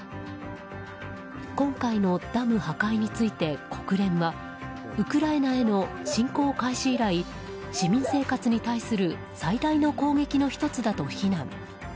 今回のダム破壊について、国連はウクライナへの侵攻開始以来市民生活に対する最大の攻撃の１つだと非難。